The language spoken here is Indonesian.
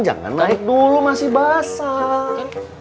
jangan naik dulu masih basah